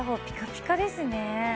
ピカピカですね